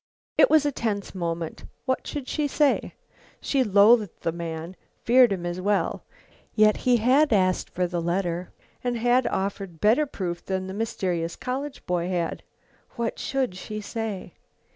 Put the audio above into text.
It was a tense moment. What should she say? She loathed the man; feared him, as well. Yet he had asked for the letter and had offered better proof than the mysterious college boy had. What should she say?